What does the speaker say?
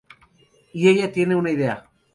Y ella tiene una idea.